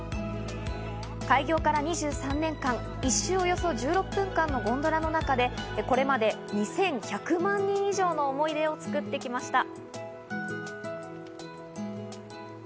開業から２３年間、１周およそ１６分間のゴンドラの中でこれまでに２１００万人以上の思い出を作ってきました。